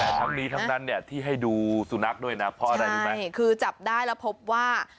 แต่ทั้งนี้ทั้งนั้นเนี่ยที่ให้ดูสุนัขด้วยนะเพราะอะไรรู้ไหมใช่คือจับได้แล้วพบว่า